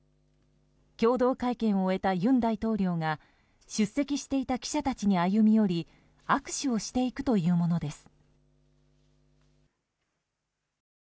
共同会見を終えた尹大統領が出席していた記者たちに歩み寄り握手をしていくというものです。